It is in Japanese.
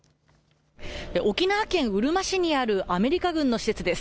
沖縄県うるま市にあるアメリカ軍の施設です。